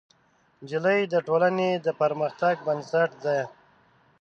نجلۍ د ټولنې د پرمختګ بنسټ ده.